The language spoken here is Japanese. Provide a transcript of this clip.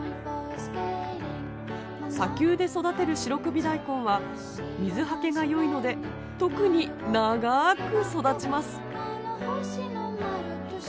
砂丘で育てる白首大根は水はけが良いので特に長く育ちます。